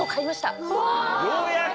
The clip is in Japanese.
ようやく？